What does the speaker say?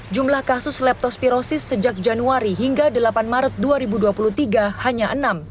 jumlah kasus leptospirosis sejak januari hingga delapan maret dua ribu dua puluh tiga hanya enam